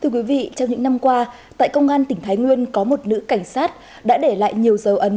chị trong những năm qua tại công an tỉnh thái nguyên có một nữ cảnh sát đã để lại nhiều dấu ấn